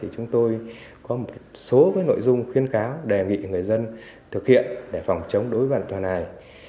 chúng tôi có một số nội dung khuyên kháo đề nghị người dân thực hiện để phòng chống đối bàn toàn hài